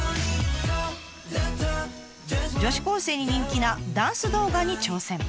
女子高生に人気なダンス動画に挑戦。